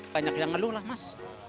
banyak yang ngeluh lah mas